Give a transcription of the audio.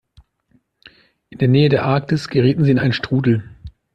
In der Nähe der Arktis gerieten sie in einen Strudel.